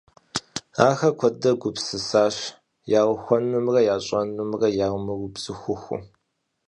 Ахэр куэдрэ гупсысащ яухуэнумрэ ящӏэнумрэ ямыубзыхуфу.